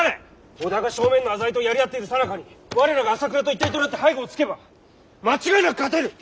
織田が正面の浅井とやり合っているさなかに我らが朝倉と一体となって背後をつけば間違いなく勝てる！